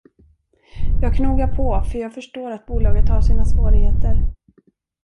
Jag knogar på, för jag förstår att bolaget har sina svårigheter.